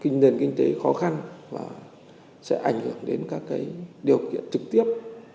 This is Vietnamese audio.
nền kinh tế khó khăn và sẽ ảnh hưởng đến các cái điều kiện trực tiếp